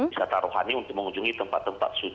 wisata rohani untuk mengunjungi tempat tempat yang lebih luas